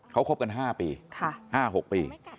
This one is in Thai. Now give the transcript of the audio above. เขาคบกัน๕ปี๕๖ปี